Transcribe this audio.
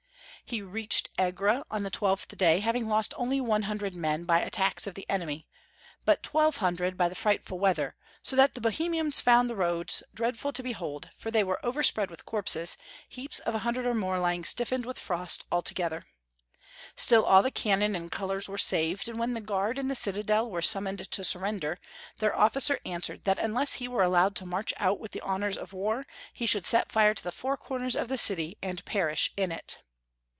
He reached Egra on the twelfth day, having lost only 100 men by attacks of the enemy, but 1200 by the fright ful weather, so that the Bohemians found the roads dreadful to behold, for they were overspread with corpses, heaps of a hundred or more lying stiffened with frost all together. Still all the cannon and colors were saved, and when the guard in the citadel were summoned to surrender, their officer answered that unless he were allowed to march out with the honors of war, he should set fire to the four corners of the city, and perish in it.